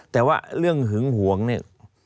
แต่ว่าเรื่องหึงหวงเนี่ย